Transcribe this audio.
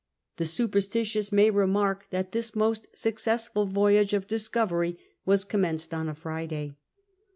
The superstitious may remark that this most successful voyage of discovery was commenced on a Friday.